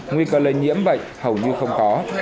nguy cơ lây nhiễm bệnh hầu như không có